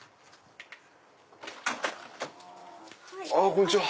こんにちは。